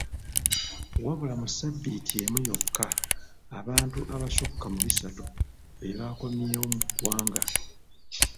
Wabula mu sabbiiti emu yokka, abantu abasukka mu bisatu bebaakomyewo mu ggwanga.